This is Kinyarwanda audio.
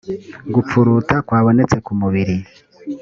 gupfuruta kwabonetse ku mubiri